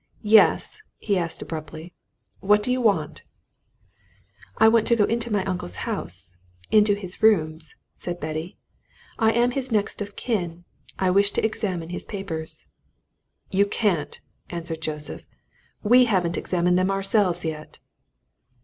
"Yes?" he asked abruptly. "What do you want?" "I want to go into my uncle's house into his rooms," said Betty. "I am his next of kin I wish to examine his papers." "You can't!" answered Joseph. "We haven't examined them ourselves yet."